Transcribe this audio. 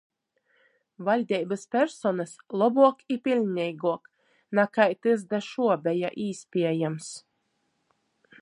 Vaļdeibys personys lobuok i piļneiguok, nakai tys da šuo beja īspiejams.